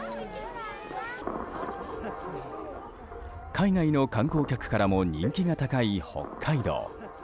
海外の観光客からも人気が高い北海道。